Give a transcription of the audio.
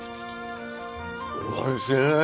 おいしい。